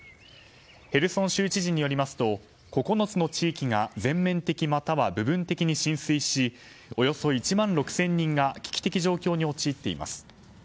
ヘルソン州知事によりますと９つの地域が全面的または部分的に浸水しおよそ１万６０００人が危機的状況に陥っています。